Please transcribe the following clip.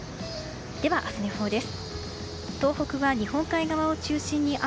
では、明日の予報です。